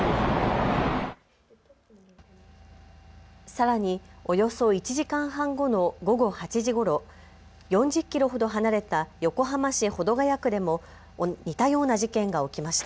さらに、およそ１時間半後の午後８時ごろ、４０キロほど離れた横浜市保土ケ谷区でも似たような事件が起きました。